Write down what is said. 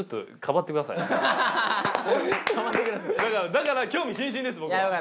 だから興味津々です僕は。